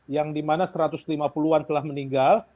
yang dimana satu ratus lima puluh an telah meninggal